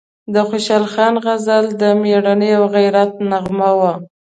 د خوشحال خان غزل د میړانې او غیرت نغمه وه،